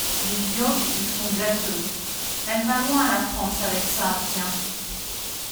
les vioques ils sont gâteux. Elle va loin, la France, avec ça, tiens.